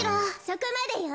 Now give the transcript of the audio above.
そこまでよ。